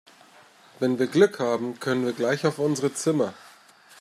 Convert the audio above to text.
Wenn wir Glück haben können wir gleich auf unsere Zimmer.